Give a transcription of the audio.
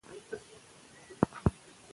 ابدالیانو په هرات کې د يو نوي قدرت بنسټ کېښود.